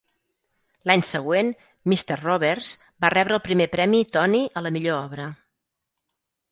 L'any següent "Mister Roberts" va rebre el primer premi Tony a la millor obra.